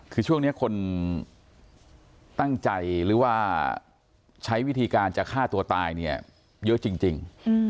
คือช่วงนี้คนตั้งใจหรือว่าใช้วิธีการจะฆ่าตัวตายเนี่ยเยอะจริง